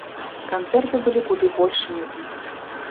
Канцэрты былі куды больш мірныя.